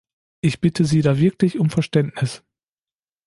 Ich bitte Sie da wirklich um Verständnis.